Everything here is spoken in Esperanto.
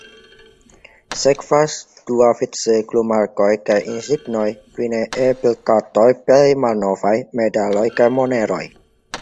Sekvas duavice glumarkoj kaj insignoj, fine E-bildkartoj plej malnovaj, medaloj kaj moneroj.